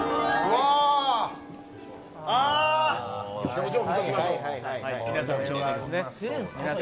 表情見ておきましょう。